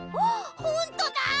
あっほんとだ！